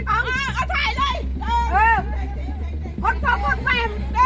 เมื่อมึงชุกกูก่อนนะ